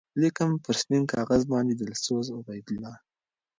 لیکم پر سپین کاغذ باندی دلسوز عبیدالله